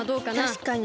たしかに。